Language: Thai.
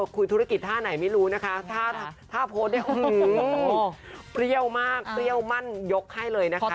คุยธุรกิจท่าไหนไม่รู้นะคะถ้าโพสต์เนี่ยเปรี้ยวมากเปรี้ยวมั่นยกให้เลยนะคะ